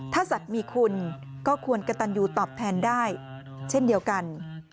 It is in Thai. ถ้าสัตว์มีคุณก็ควรกระตันยูตอบแทนได้เช่นเดียวกัน